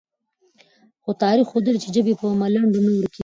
خو تاریخ ښودلې، چې ژبې په ملنډو نه ورکېږي،